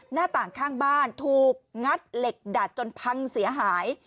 หน้าต่างข้างบ้านถูกงัดเหล็กดัดจนพังเสียหาย